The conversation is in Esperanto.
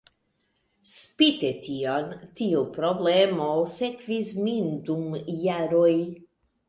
Spite tion, tiu problemo sekvis min dum jaroj.